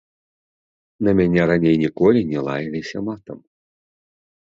На мяне раней ніколі не лаяліся матам.